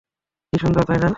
কি সুন্দর, তাই না?